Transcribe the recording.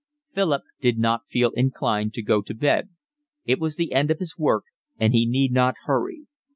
Philip did not feel inclined to go to bed. It was the end of his work and he need not hurry.